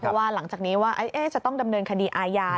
เพราะว่าหลังจากนี้ว่าจะต้องดำเนินคดีอาญา